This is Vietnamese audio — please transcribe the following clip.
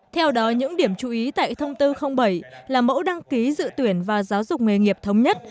theo đó những điểm chú ý tại thông tư bảy là mẫu đăng ký dự tuyển và giáo dục nghề nghiệp thống nhất